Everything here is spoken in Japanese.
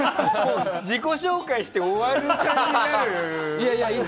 自己紹介して終わる感じになる。